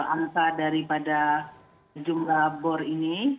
angka daripada jumlah bor ini